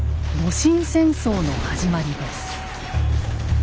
戊辰戦争の始まりです。